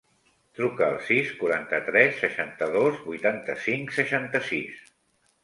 Truca al sis, quaranta-tres, seixanta-dos, vuitanta-cinc, seixanta-sis.